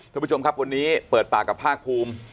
ทุกผู้ชมครับวันนี้เปิดปากกับภาคภูมิ